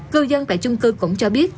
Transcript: cư dân tại chung cư cũng cho biết